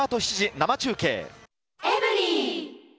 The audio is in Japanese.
生中継。